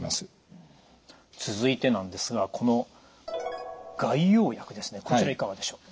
続いてなんですがこの外用薬ですねこちらいかがでしょう？